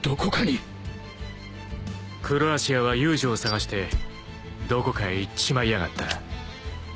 ［黒足屋は遊女を探してどこかへ行っちまいやがった］